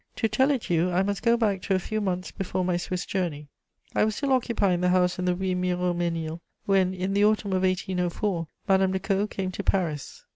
To tell it you, I must go back to a few months before my Swiss journey. I was still occupying the house in the Rue Miromesnil when, in the autumn of 1804, Madame de Caud came to Paris.